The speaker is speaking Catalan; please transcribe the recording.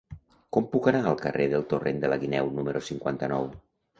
Com puc anar al carrer del Torrent de la Guineu número cinquanta-nou?